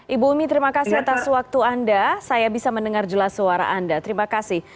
ibu umi terima kasih atas waktu anda saya bisa mendengar jelas suara anda terima kasih